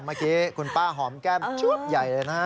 เมื่อกี้คุณป้าหอมแก้มชุดใหญ่เลยนะฮะ